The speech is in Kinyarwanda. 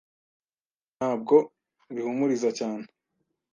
Ibyo ntabwo bihumuriza cyane.